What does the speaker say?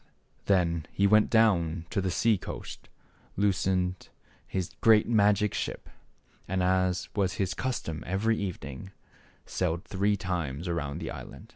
Then he went down to the sea coast, loosened his great magic ship, and, as was his custom every evening, sailed three times around the island.